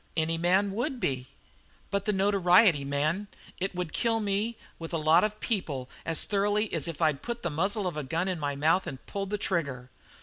"Any man would be." "But the notoriety, man! It would kill me with a lot of people as thoroughly as if I'd put the muzzle of a gun in my mouth and pulled the trigger."